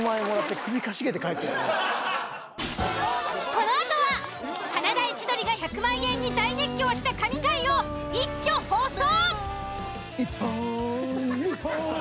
［この後は華大千鳥が１００万円に大熱狂した神回を一挙放送！］